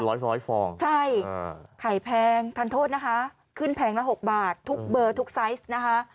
ร้อยร้อยฟองใช่ไข่แพงทานโทษนะคะขึ้นแพงละหกบาททุกเบอร์ทุกไซส์นะคะ